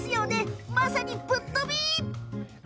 まさに、ぶっとび！